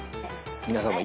皆さんも。